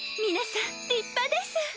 皆さん立派です。